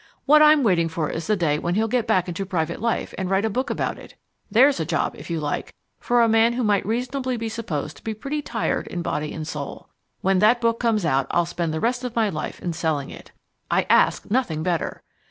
What I'm waiting for is the day when he'll get back into private life and write a book about it. There's a job, if you like, for a man who might reasonably be supposed to be pretty tired in body and soul! When that book comes out I'll spend the rest of my life in selling it. I ask nothing better!